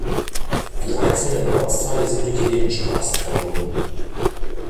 Die einzelnen Ortsteile sind durch Nebenstraßen verbunden.